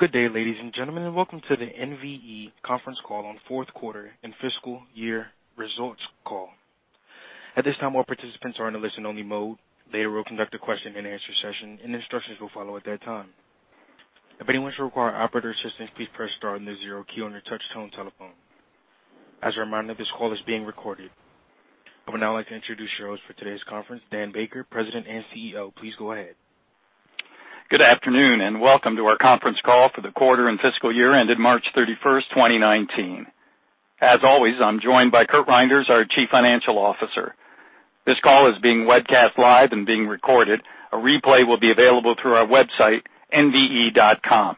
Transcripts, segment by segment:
Good day, ladies and gentlemen, welcome to the NVE conference call on fourth quarter and fiscal year results call. At this time, all participants are in a listen-only mode. Later, we'll conduct a question-and-answer session, and instructions will follow at that time. If anyone should require operator assistance, please press star and the 0 key on your touchtone telephone. As a reminder, this call is being recorded. I would now like to introduce your host for today's conference, Dan Baker, President and CEO. Please go ahead. Good afternoon, welcome to our conference call for the quarter and fiscal year ended March 31st, 2019. As always, I'm joined by Curt Reynders, our Chief Financial Officer. This call is being webcast live and being recorded. A replay will be available through our website, nve.com.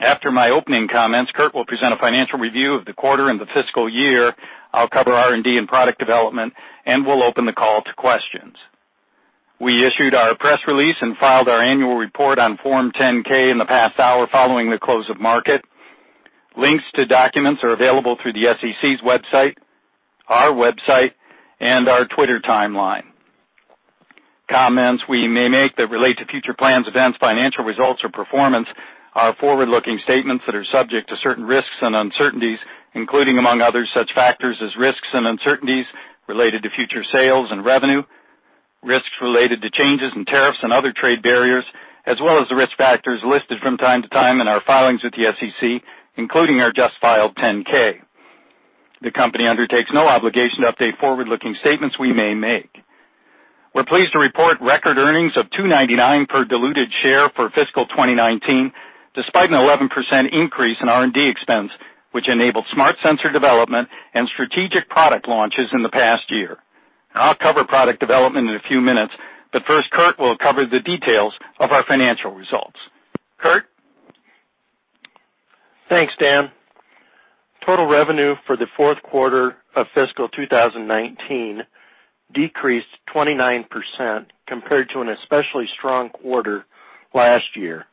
After my opening comments, Curt will present a financial review of the quarter and the fiscal year, I'll cover R&D and product development, we'll open the call to questions. We issued our press release and filed our annual report on Form 10-K in the past hour following the close of market. Links to documents are available through the SEC's website, our website, our Twitter timeline. Comments we may make that relate to future plans, events, financial results, or performance are forward-looking statements that are subject to certain risks and uncertainties, including among others, such factors as risks and uncertainties related to future sales and revenue, risks related to changes in tariffs and other trade barriers, as well as the risk factors listed from time to time in our filings with the SEC, including our just filed 10-K. The company undertakes no obligation to update forward-looking statements we may make. We're pleased to report record earnings of $2.99 per diluted share for fiscal 2019, despite an 11% increase in R&D expense, which enabled smart sensor development and strategic product launches in the past year. I'll cover product development in a few minutes, first, Curt will cover the details of our financial results. Curt? Thanks, Dan. Total revenue for the fourth quarter of fiscal 2019 decreased 29% compared to an especially strong quarter last year.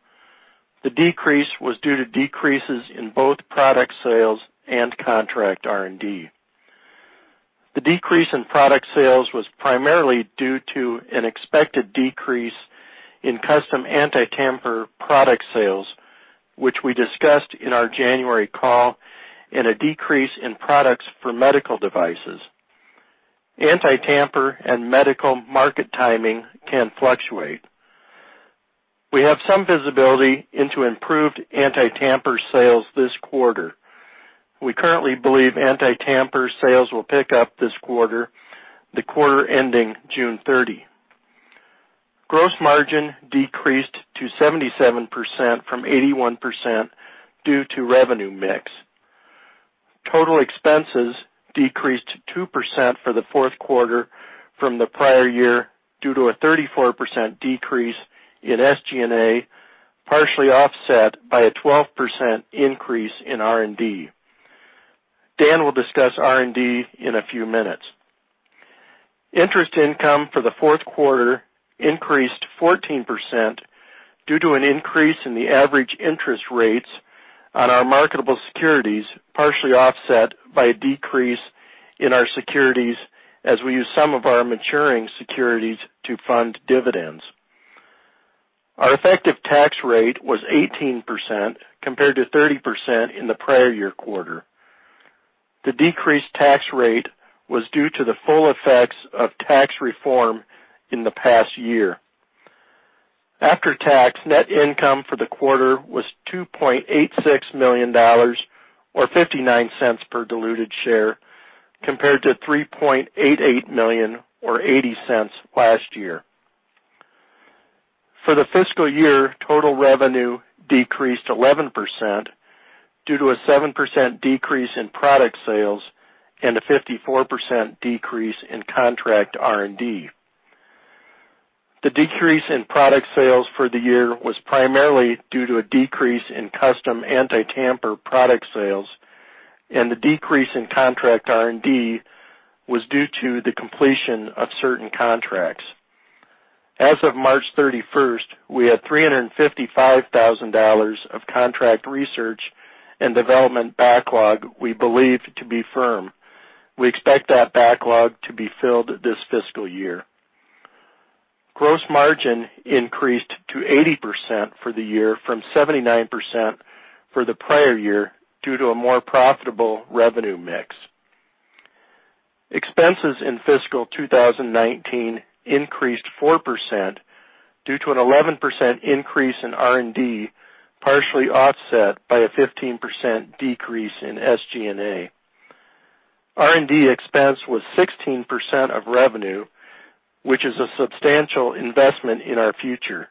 The decrease was due to decreases in both product sales and contract R&D. The decrease in product sales was primarily due to an expected decrease in custom anti-tamper product sales, which we discussed in our January call, a decrease in products for medical devices. Anti-tamper and medical market timing can fluctuate. We have some visibility into improved anti-tamper sales this quarter. We currently believe anti-tamper sales will pick up this quarter, the quarter ending June 30. Gross margin decreased to 77% from 81% due to revenue mix. Total expenses decreased 2% for the fourth quarter from the prior year, due to a 34% decrease in SG&A, partially offset by a 12% increase in R&D. Dan will discuss R&D in a few minutes. Interest income for the fourth quarter increased 14% due to an increase in the average interest rates on our marketable securities, partially offset by a decrease in our securities as we used some of our maturing securities to fund dividends. Our effective tax rate was 18% compared to 30% in the prior year quarter. The decreased tax rate was due to the full effects of tax reform in the past year. After-tax net income for the quarter was $2.86 million, or $0.59 per diluted share, compared to $3.88 million or $0.80 last year. For the fiscal year, total revenue decreased 11% due to a 7% decrease in product sales and a 54% decrease in contract R&D. The decrease in product sales for the year was primarily due to a decrease in custom anti-tamper product sales, and the decrease in contract R&D was due to the completion of certain contracts. As of March 31st, we had $355,000 of contract research and development backlog we believe to be firm. We expect that backlog to be filled this fiscal year. Gross margin increased to 80% for the year from 79% for the prior year, due to a more profitable revenue mix. Expenses in fiscal 2019 increased 4% due to an 11% increase in R&D, partially offset by a 15% decrease in SG&A. R&D expense was 16% of revenue, which is a substantial investment in our future.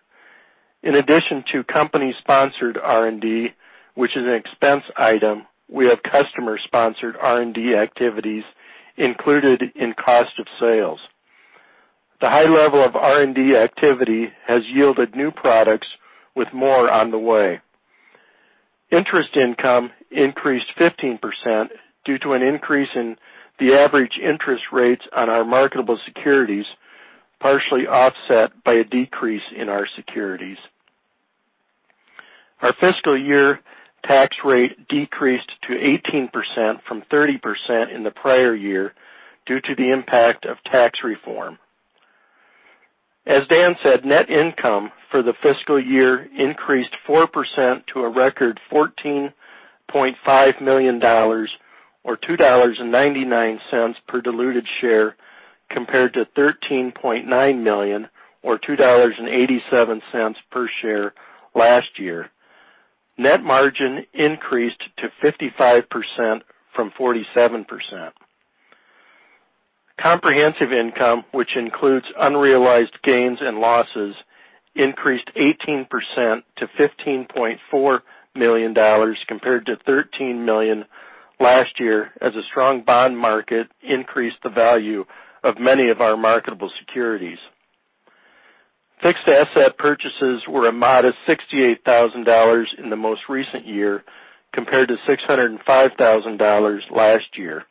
In addition to company-sponsored R&D, which is an expense item, we have customer-sponsored R&D activities included in cost of sales. The high level of R&D activity has yielded new products, with more on the way. Interest income increased 15% due to an increase in the average interest rates on our marketable securities, partially offset by a decrease in our securities. Our fiscal year tax rate decreased to 18% from 30% in the prior year due to the impact of tax reform. As Dan said, net income for the fiscal year increased 4% to a record $14.5 million, or $2.99 per diluted share, compared to $13.9 million, or $2.87 per share last year. Net margin increased to 55% from 47%. Comprehensive income, which includes unrealized gains and losses, increased 18% to $15.4 million compared to $13 million last year, as a strong bond market increased the value of many of our marketable securities. Fixed asset purchases were a modest $68,000 in the most recent year compared to $605,000 last year.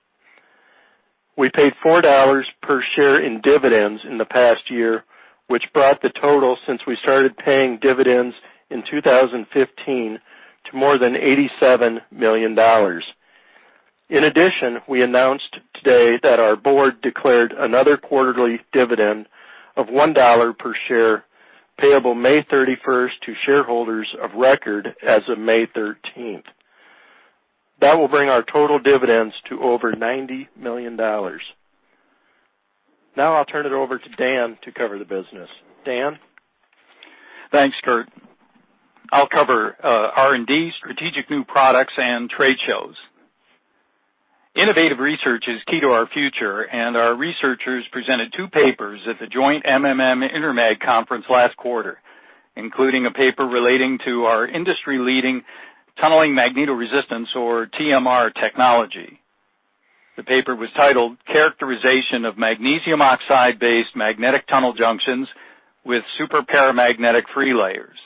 We paid $4 per share in dividends in the past year, which brought the total since we started paying dividends in 2015 to more than $87 million. In addition, we announced today that our board declared another quarterly dividend of $1 per share, payable May 31st to shareholders of record as of May 13th. That will bring our total dividends to over $90 million. Now I'll turn it over to Dan to cover the business. Dan? Thanks, Curt. I'll cover R&D, strategic new products, and trade shows. Innovative research is key to our future, and our researchers presented two papers at the Joint MMM-Intermag Conference last quarter, including a paper relating to our industry-leading tunneling magnetoresistance, or TMR, technology. The paper was titled "Characterization of Magnesium Oxide-Based Magnetic Tunnel Junctions with Superparamagnetic Free Layers."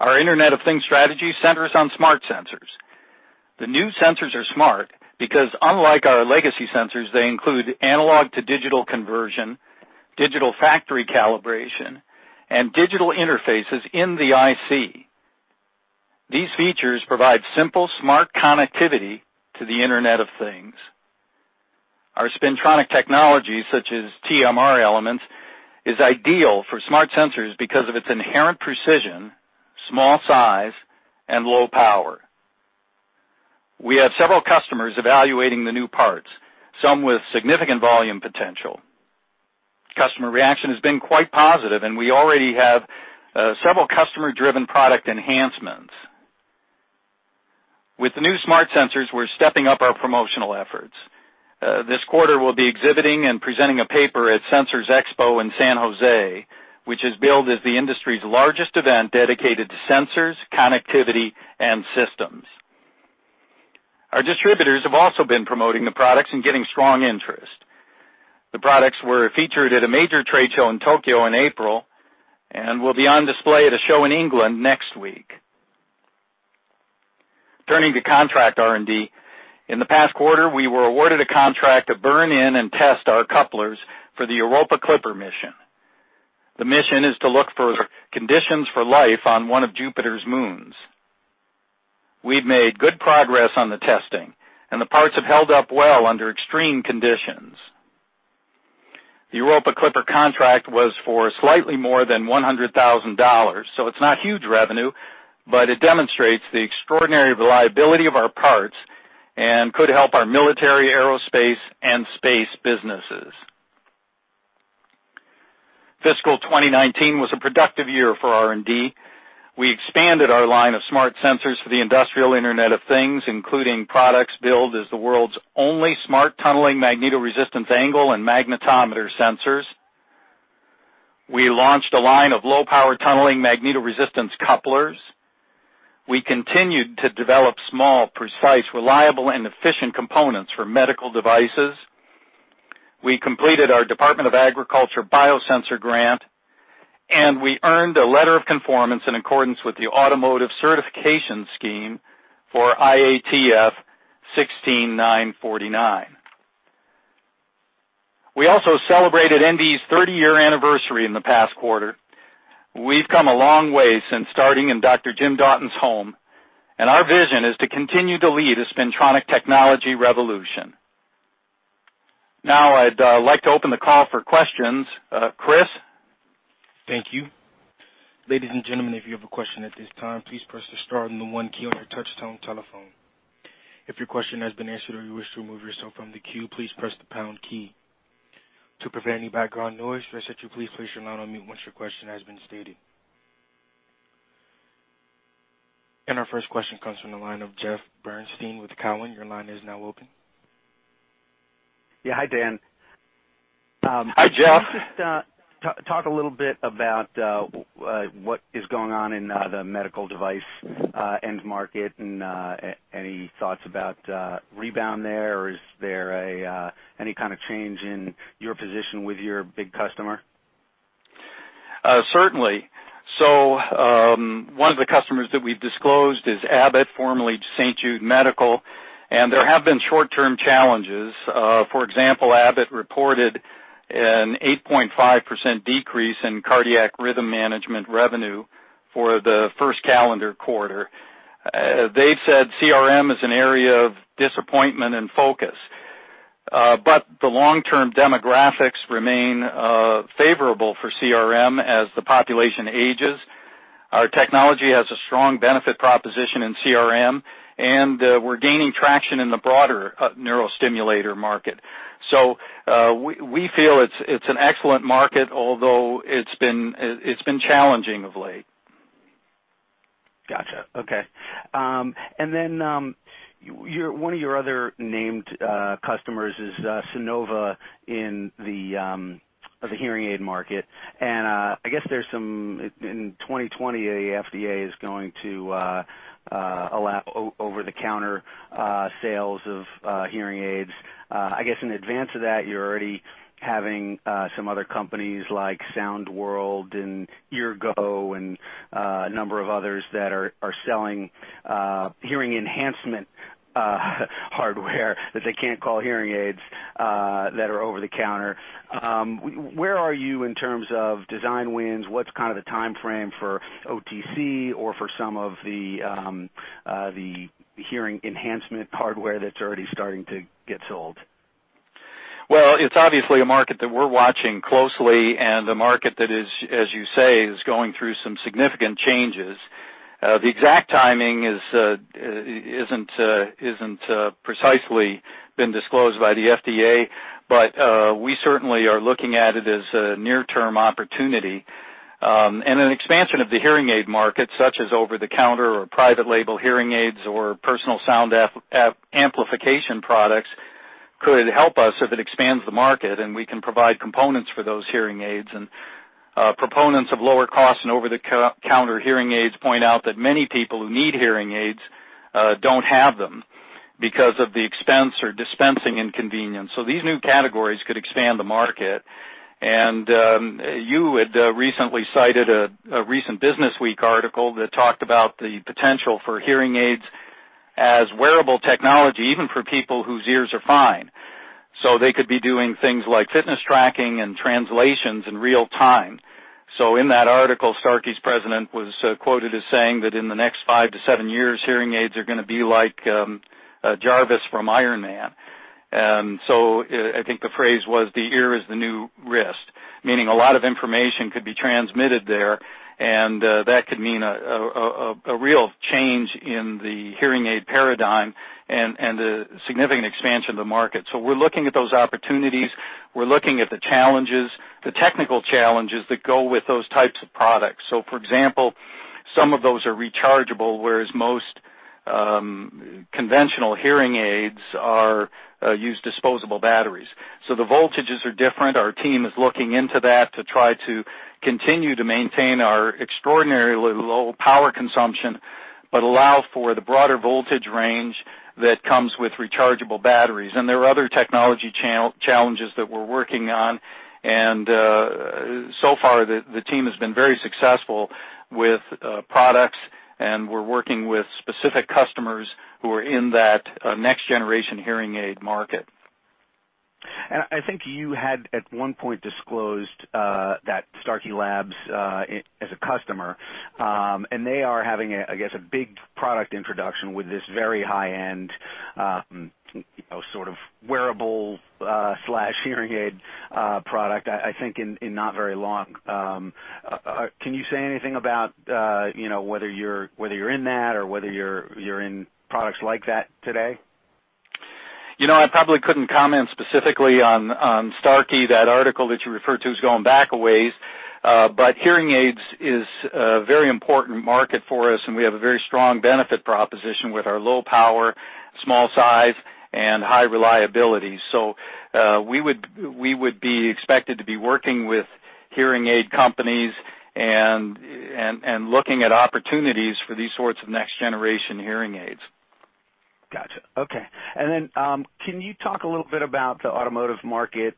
Our Internet of Things strategy centers on smart sensors. The new sensors are smart because, unlike our legacy sensors, they include analog-to-digital conversion, digital factory calibration, and digital interfaces in the IC. These features provide simple, smart connectivity to the Internet of Things. Our spintronic technology, such as TMR elements, is ideal for smart sensors because of its inherent precision, small size, and low power. We have several customers evaluating the new parts, some with significant volume potential. Customer reaction has been quite positive, and we already have several customer-driven product enhancements. With the new smart sensors, we're stepping up our promotional efforts. This quarter, we'll be exhibiting and presenting a paper at Sensors Expo & Conference in San Jose, which is billed as the industry's largest event dedicated to sensors, connectivity, and systems. Our distributors have also been promoting the products and getting strong interest. The products were featured at a major trade show in Tokyo in April and will be on display at a show in England next week. Turning to contract R&D, in the past quarter, we were awarded a contract to burn in and test our couplers for the Europa Clipper mission. The mission is to look for conditions for life on one of Jupiter's moons. We've made good progress on the testing, and the parts have held up well under extreme conditions. The Europa Clipper contract was for slightly more than $100,000, so it's not huge revenue, but it demonstrates the extraordinary reliability of our parts and could help our military, aerospace, and space businesses. Fiscal 2019 was a productive year for R&D. We expanded our line of smart sensors for the industrial Internet of Things, including products billed as the world's only smart tunneling magnetoresistance angle and magnetometer sensors. We launched a line of low-power tunneling magnetoresistance couplers. We continued to develop small, precise, reliable, and efficient components for medical devices. We completed our Department of Agriculture biosensor grant, and we earned a letter of conformance in accordance with the automotive certification scheme for IATF 16949. We also celebrated NVE's 30-year anniversary in the past quarter. We've come a long way since starting in Dr. Jim Daughton's home, and our vision is to continue to lead a spintronic technology revolution. I'd like to open the call for questions. Chris? Thank you. Ladies and gentlemen, if you have a question at this time, please press the star and the one key on your touchtone telephone. If your question has been answered or you wish to remove yourself from the queue, please press the pound key. To prevent any background noise, we ask that you please place your line on mute once your question has been stated. Our first question comes from the line of Jeff Bernstein with Cowen. Your line is now open. Yeah. Hi, Dan. Hi, Jeff. Can you just talk a little bit about what is going on in the medical device end market, and any thoughts about rebound there, or is there any kind of change in your position with your big customer? Certainly. One of the customers that we've disclosed is Abbott, formerly St. Jude Medical, and there have been short-term challenges. For example, Abbott reported an 8.5% decrease in cardiac rhythm management revenue for the first calendar quarter. They've said CRM is an area of disappointment and focus. The long-term demographics remain favorable for CRM as the population ages. Our technology has a strong benefit proposition in CRM, and we're gaining traction in the broader neurostimulator market. We feel it's an excellent market, although it's been challenging of late. Got you. Okay. One of your other named customers is Sonova in the hearing aid market, and I guess in 2020, the FDA is going to allow over-the-counter sales of hearing aids. I guess in advance of that, you're already having some other companies like Sound World and Eargo, and a number of others that are selling hearing enhancement hardware, that they can't call hearing aids, that are over the counter. Where are you in terms of design wins? What's the timeframe for OTC or for some of the hearing enhancement hardware that's already starting to get sold? Well, it's obviously a market that we're watching closely, and the market that is, as you say, is going through some significant changes. The exact timing isn't precisely been disclosed by the FDA, but we certainly are looking at it as a near-term opportunity. An expansion of the hearing aid market, such as over-the-counter or private label hearing aids or personal sound amplification products, could help us if it expands the market, and we can provide components for those hearing aids. Proponents of lower cost and over-the-counter hearing aids point out that many people who need hearing aids don't have them because of the expense or dispensing inconvenience. These new categories could expand the market. You had recently cited a recent Bloomberg Businessweek article that talked about the potential for hearing aids as wearable technology, even for people whose ears are fine. They could be doing things like fitness tracking and translations in real time. In that article, Starkey's president was quoted as saying that in the next five to seven years, hearing aids are going to be like J.A.R.V.I.S. from "Iron Man." I think the phrase was, "The ear is the new wrist," meaning a lot of information could be transmitted there, and that could mean a real change in the hearing aid paradigm and a significant expansion of the market. We're looking at those opportunities. We're looking at the challenges, the technical challenges that go with those types of products. For example, some of those are rechargeable, whereas most conventional hearing aids use disposable batteries. The voltages are different. Our team is looking into that to try to continue to maintain our extraordinarily low power consumption, but allow for the broader voltage range that comes with rechargeable batteries. There are other technology challenges that we're working on. So far, the team has been very successful with products, and we're working with specific customers who are in that next generation hearing aid market. I think you had, at one point, disclosed that Starkey Labs as a customer. They are having, I guess, a big product introduction with this very high-end sort of wearable/hearing aid product, I think, in not very long. Can you say anything about whether you're in that or whether you're in products like that today? I probably couldn't comment specifically on Starkey. That article that you referred to is going back a ways. Hearing aids is a very important market for us. We have a very strong benefit proposition with our low power, small size, and high reliability. We would be expected to be working with hearing aid companies and looking at opportunities for these sorts of next generation hearing aids. Got you. Okay. Can you talk a little bit about the automotive market?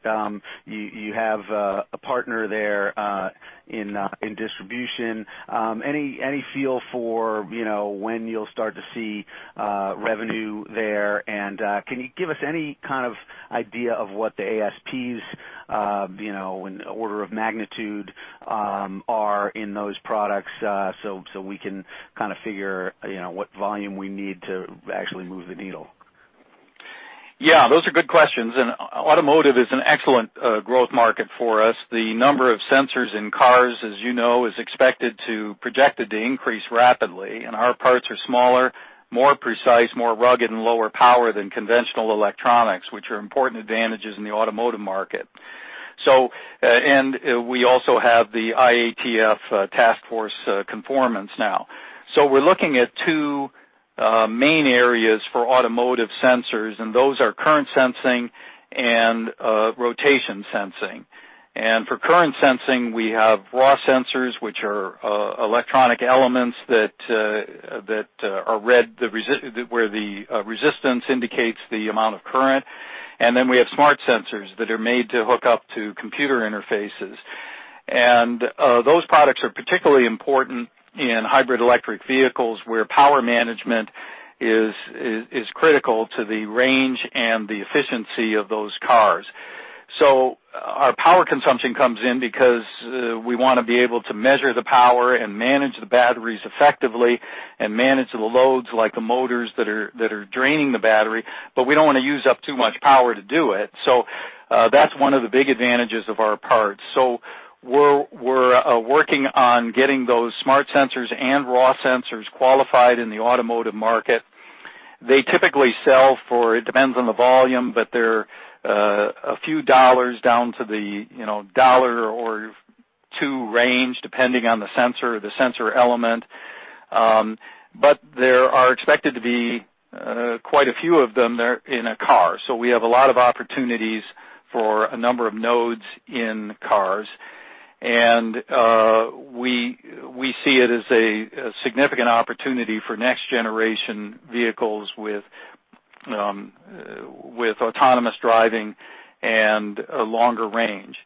You have a partner there in distribution. Any feel for when you'll start to see revenue there, and can you give us any kind of idea of what the ASPs, in order of magnitude, are in those products, we can kind of figure what volume we need to actually move the needle? Those are good questions, automotive is an excellent growth market for us. The number of sensors in cars, as you know, is projected to increase rapidly. Our parts are smaller, more precise, more rugged, and lower power than conventional electronics, which are important advantages in the automotive market. We also have the IATF task force conformance now. We're looking at two main areas for automotive sensors, and those are current sensing and rotation sensing. For current sensing, we have raw sensors, which are electronic elements that are read, where the resistance indicates the amount of current, and then we have smart sensors that are made to hook up to computer interfaces. Those products are particularly important in hybrid electric vehicles, where power management is critical to the range and the efficiency of those cars. Our power consumption comes in because we want to be able to measure the power and manage the batteries effectively, and manage the loads like the motors that are draining the battery, but we don't want to use up too much power to do it. That's one of the big advantages of our parts. We're working on getting those smart sensors and raw sensors qualified in the automotive market. They typically sell for, it depends on the volume, but they're a few dollars down to the $1 or $2 range, depending on the sensor or the sensor element. There are expected to be quite a few of them there in a car. We have a lot of opportunities for a number of nodes in cars. We see it as a significant opportunity for next generation vehicles with autonomous driving and a longer range.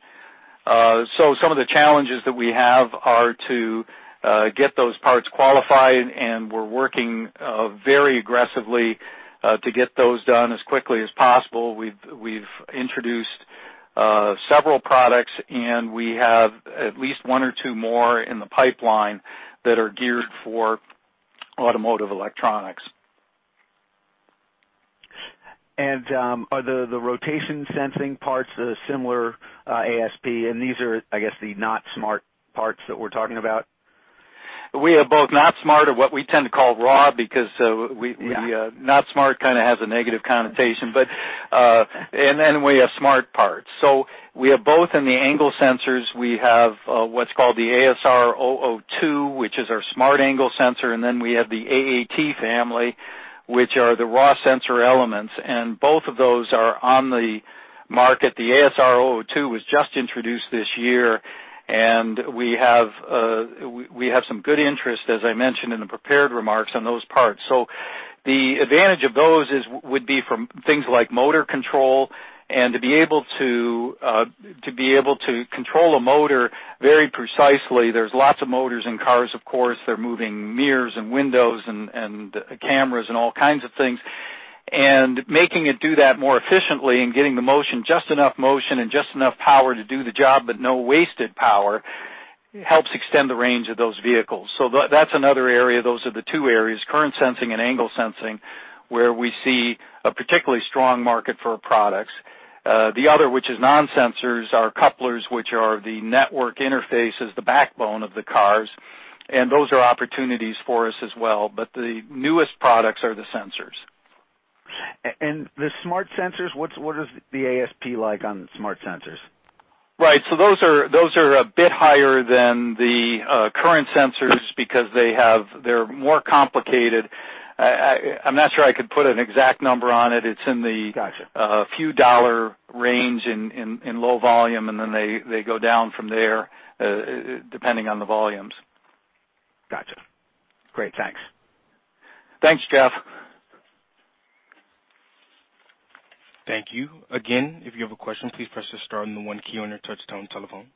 Some of the challenges that we have are to get those parts qualified, and we're working very aggressively to get those done as quickly as possible. We've introduced several products, and we have at least one or two more in the pipeline that are geared for automotive electronics. Are the rotation sensing parts a similar ASP? These are, I guess, the not smart parts that we're talking about? We have both not smart or what we tend to call raw, because not smart kind of has a negative connotation. We have smart parts. We have both in the angle sensors. We have what's called the ASR002, which is our smart angle sensor, and then we have the AAT family, which are the raw sensor elements. Both of those are on the market. The ASR002 was just introduced this year, and we have some good interest, as I mentioned in the prepared remarks, on those parts. The advantage of those would be from things like motor control and to be able to control a motor very precisely. There's lots of motors in cars, of course. They're moving mirrors and windows and cameras and all kinds of things. Making it do that more efficiently and getting the motion, just enough motion and just enough power to do the job, but no wasted power, helps extend the range of those vehicles. That's another area. Those are the two areas, current sensing and angle sensing, where we see a particularly strong market for our products. The other, which is non-sensors, are couplers, which are the network interfaces, the backbone of the cars, and those are opportunities for us as well. The newest products are the sensors. The smart sensors, what is the ASP like on smart sensors? Right. Those are a bit higher than the current sensors because they're more complicated. I'm not sure I could put an exact number on it. Got you. A few dollar range in low volume, then they go down from there, depending on the volumes. Got you. Great. Thanks. Thanks, Jeff. Thank you. Again, if you have a question, please press the star and the one key on your touchtone telephone.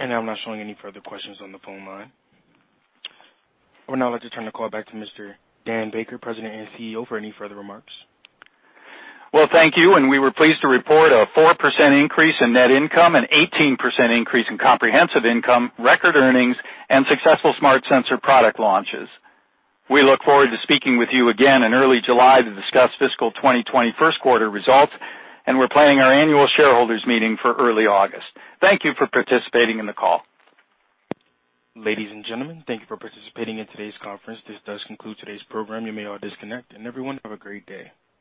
I'm not showing any further questions on the phone line. I would now like to turn the call back to Mr. Dan Baker, President and CEO, for any further remarks. Well, thank you. We were pleased to report a 4% increase in net income, an 18% increase in comprehensive income, record earnings, and successful smart sensor product launches. We look forward to speaking with you again in early July to discuss fiscal 2020 first quarter results. We're planning our annual shareholders meeting for early August. Thank you for participating in the call. Ladies and gentlemen, thank you for participating in today's conference. This does conclude today's program. You may all disconnect. Everyone, have a great day.